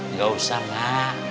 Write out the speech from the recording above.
nggak usah mbak